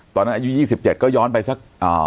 ๔๐ตอนนั้นอายุ๒๗ก็ย้อนไปสัก